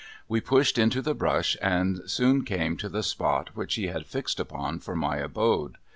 We pushed into the brush and soon came to the spot which he had fixed upon for my abode.